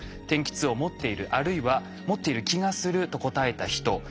天気痛を持っているあるいは持っている気がすると答えた人。